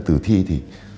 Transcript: tử thi thì